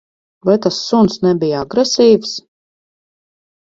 Vai tas suns nebija agresīvs?